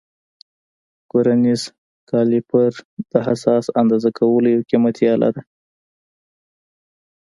ورنیز کالیپر د حساس اندازه کولو یو قیمتي آله ده.